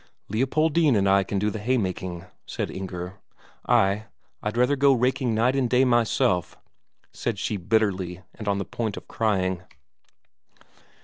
"Leopoldine and I can do the haymaking," said Inger. "Ay, I'd rather go raking night and day myself," said she bitterly, and on the point of crying.